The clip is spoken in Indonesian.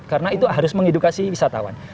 karena itu harus mengedukasi wisatawan